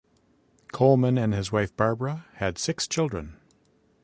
Coleman and his wife Barbara had six children.